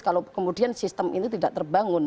kalau kemudian sistem ini tidak terbangun